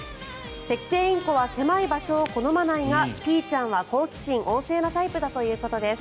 セキセイインコは狭い場所を好まないがピーちゃんは好奇心旺盛なタイプだということです。